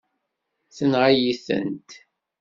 Tenɣa-yi-tent.